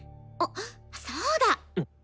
そうだ！